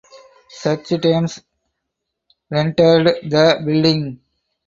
Search teams reentered the building.